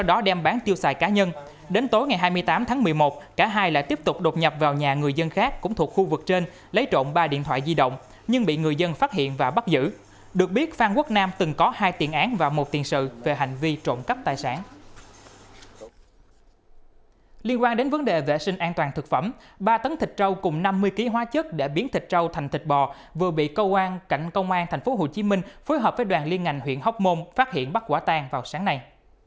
liên quan đến vấn đề vệ sinh an toàn thực phẩm ba tấn thịt trâu cùng năm mươi kg hóa chất để biến thịt trâu thành thịt bò vừa bị công an tp hcm phối hợp với đoàn liên ngành huyện hóc môn phát hiện bắt quả tan vào sáng nay